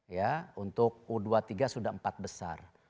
ya untuk u dua puluh tiga sudah empat besar